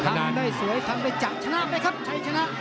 ทำได้สวยทำได้จากชนะไหมครับชัยชนะ